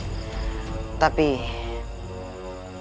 aku tidak bisa